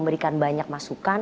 dan banyak masukan